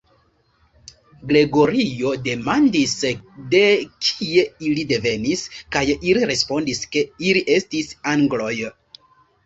Gregorio demandis, de kie ili devenis, kaj ili respondis ke ili estis angloj.